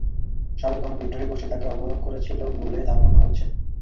সাবেক কোনো বিদ্রোহী গোষ্ঠী তাঁকে অপহরণ করেছিল বলে ধারণা করা হচ্ছে।